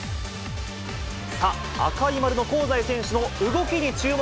さあ、赤い〇の香西選手の動きに注目。